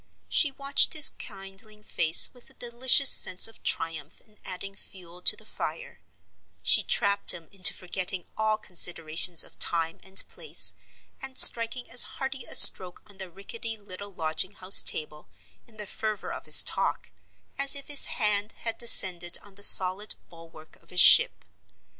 She watched his kindling face with a delicious sense of triumph in adding fuel to the fire; she trapped him into forgetting all considerations of time and place, and striking as hearty a stroke on the rickety little lodging house table, in the fervor of his talk, as if his hand had descended on the solid bulwark of his ship.